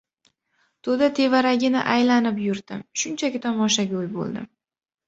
To‘da tevaragini aylanib yurdim. Shunchaki tomoshago‘y bo‘ldim.